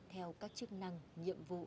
theo các chức năng nhiệm vụ